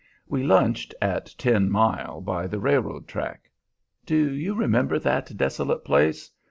We lunched at Ten Mile, by the railroad track. Do you remember that desolate place?